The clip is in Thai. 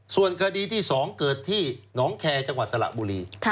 ส่วนคดีที่๒เกิดที่หนองแคร์จังหวัดสระบุรี